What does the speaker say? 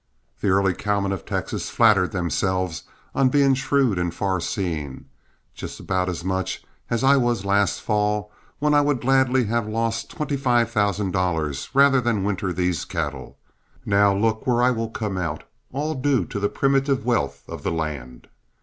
The early cowmen of Texas flatter themselves on being shrewd and far seeing just about as much as I was last fall, when I would gladly have lost twenty five thousand dollars rather than winter these cattle. Now look where I will come out, all due to the primitive wealth of the land.